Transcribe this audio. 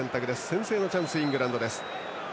先制のチャンス、イングランド。